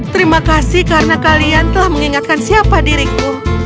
terima kasih karena kalian telah mengingatkan siapa diriku